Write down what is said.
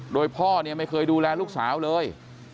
โดยพ่อเนี่ยไม่เคยดูแลลูกสาวเลย